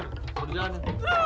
mau jalan ya